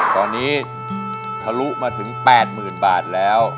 ตอนนี้ทะลุมาถึง๘๐๐๐บาทแล้ว